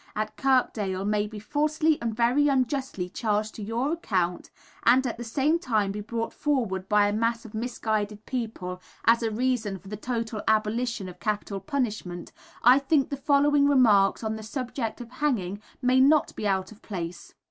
at Kirkdale may be falsely, and very unjustly, charged to your account, and at the same time be brought forward by a mass of misguided people as a reason for the total abolition of capital punishment, I think the following remarks on the subject of hanging may not be out of place.